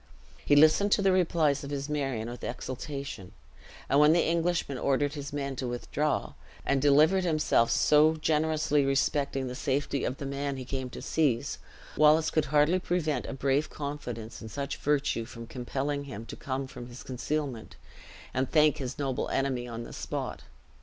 He listened to the replies of his Marion with exultation; and when the Englishman ordered his men to withdraw, and delivered himself so generously respecting the safety of the man he came to seize, Wallace could hardly prevent a brave confidence in such virtue from compelling him to come from his concealment, and thank his noble enemy on the spot.